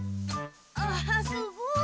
あすごい！